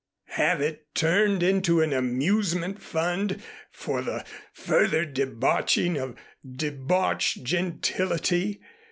Have it turned into an amusement fund for the further debauching of debauched gentility?